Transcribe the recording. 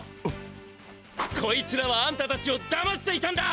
こいつらはあんたたちをだましていたんだ！